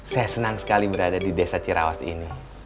saya senang sekali berada di desa cirawas ini